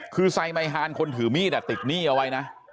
คือไซไมฮานคนถือมีดติดหนี้เอาไว้นะ